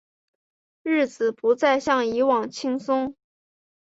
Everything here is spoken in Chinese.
日子不再像以往轻松